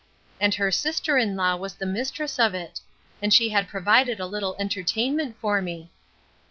And her sister in law was the mistress of it; and she had provided a little entertainment for me.